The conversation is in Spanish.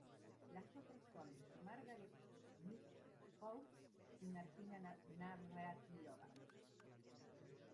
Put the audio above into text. Las otras son Margaret Smith Court y Martina Navratilova.